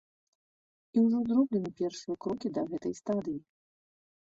І ўжо зроблены першыя крокі да гэтай стадыі.